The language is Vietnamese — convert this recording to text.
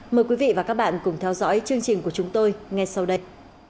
mời quý vị và các bạn cùng theo dõi chương trình của chúng tôi ngay sau đây